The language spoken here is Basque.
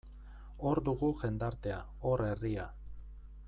Hor dugu jendartea, hor herria.